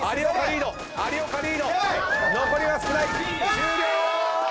終了！